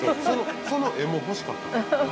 その画も欲しかった。